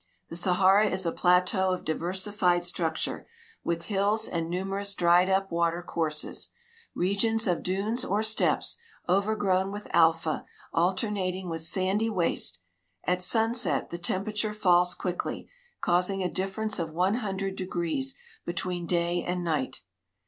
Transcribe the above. The Sahara is a plateau of diversified structure, with hills and numerous dried up water courses ; regions of dunes or steppes, overgrown with alfa, alternating with sandy waste. At sunset the temperature falls quickly, causing a difference of one hun dred degrees between day and night.